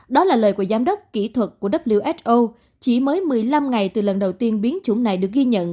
đó là lời của giám đốc kỹ thuật của who chỉ mới một mươi năm ngày từ lần đầu tiên biến chủng này được ghi nhận